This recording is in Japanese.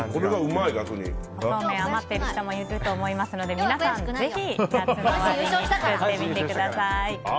そうめん余ってる人もいると思いますので皆さん、ぜひ作ってみてください。